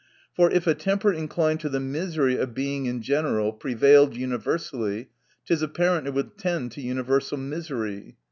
For, if a temper inclined to the misery of Being in general prevailed universally, it is apparent, it would tend to universal misery.